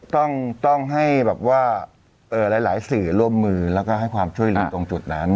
ต้องให้แบบว่าหลายสื่อร่วมมือแล้วก็ให้ความช่วยเหลือตรงจุดนั้น